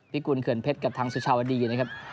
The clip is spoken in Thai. กุลเขื่อนเพชรกับทางสุชาวดีนะครับ